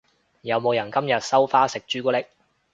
有冇人今日有收花食朱古力？